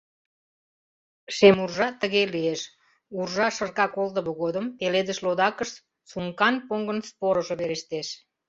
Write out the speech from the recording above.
Шемуржа тыге лиеш: уржа шырка колтымо годым пеледыш лодакыш сумкан поҥгын спорыжо верештеш.